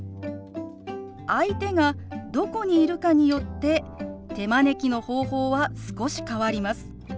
相手がどこにいるかによって手招きの方法は少し変わります。